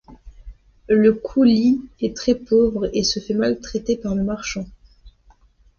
Le coolie est très pauvre et se fait maltraiter par le marchand.